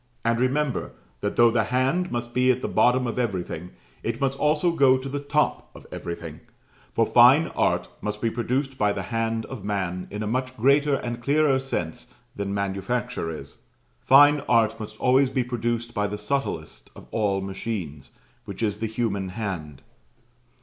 And remember that though the hand must be at the bottom of everything, it must also go to the top of everything; for Fine Art must be produced by the hand of man in a much greater and clearer sense than manufacture is. Fine Art must always be produced by the subtlest of all machines, which is the human hand.